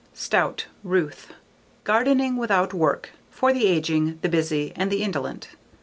Stout, Ruth. _Gardening Without Work: For the Aging, the Busy and the Indolent.